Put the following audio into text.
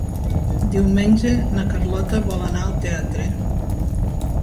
Diumenge na Carlota vol anar al teatre.